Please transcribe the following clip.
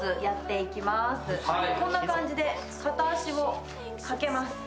こんな感じで片足をかけます。